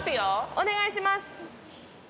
お願いします！